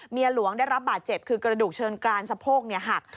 หลวงได้รับบาดเจ็บคือกระดูกเชิงกรานสะโพกหัก